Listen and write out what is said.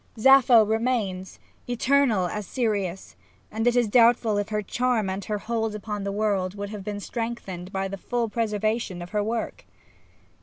Sappho remains, eternal as Sirius, and it is doubtful if her charm and her hold upon the world would have been strengthened by the full preservation of her work.